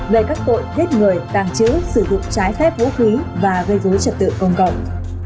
về các tội giết người tàng trữ sử dụng trái phép vũ khí và gây dối trật tự công cộng